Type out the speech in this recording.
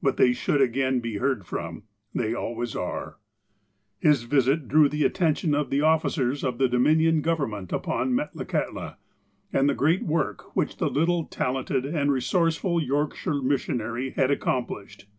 But they should again be heard from. They always are. His visit drew the attention of the officers of the Dominion government upon Metlakahtla, and the great work which the little, talented and resourceful Yorkshire missionary had accomplished.